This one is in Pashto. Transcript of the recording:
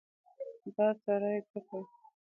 _دا سړی څه کوې؟